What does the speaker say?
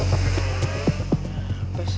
emang pengeng lu mas rusih